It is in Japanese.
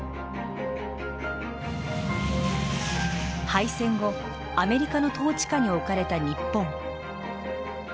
敗戦後アメリカの統治下に置かれた日本。